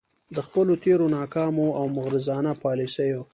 د خپلو تیرو ناکامو او مغرضانه يالیسیو